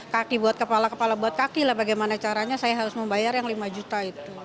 kaki buat kepala kepala buat kaki lah bagaimana caranya saya harus membayar yang lima juta itu